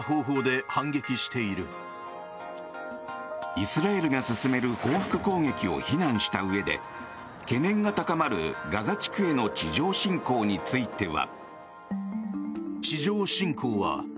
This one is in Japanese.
イスラエルが進める報復攻撃を非難したうえで懸念が高まるガザ地区への地上侵攻については。